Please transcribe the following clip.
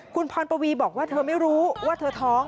คุณพรปวีบอกว่าเธอไม่รู้ว่าเธอท้อง